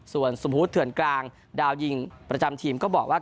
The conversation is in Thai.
ส่วนสมมุติเถื่อนกลางดาวยิงประจำทีมก็บอกว่า